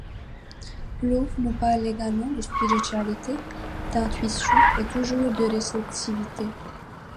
L'eau nous parle également de spiritualité, d'intuition, et toujours, de réceptivité.